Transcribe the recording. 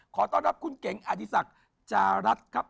ขอต้อนรับคุณเก๋งอดีศักดิ์จารัสครับ